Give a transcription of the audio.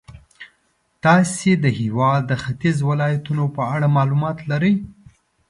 تاسې د هېواد د ختیځو ولایتونو په اړه معلومات لرئ.